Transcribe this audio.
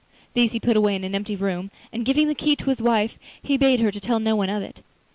These he put away in an empty room, and, giving the key to his wife, he bade her tell no one of it.